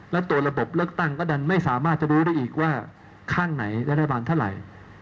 และตัวระบบเลือกตั้งก็ดันไม่สามารถจะรู้ได้อีกว่าข้างไหนรัฐบาลเท่าไหร่